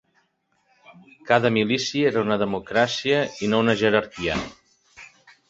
Cada milícia era una democràcia i no una jerarquia.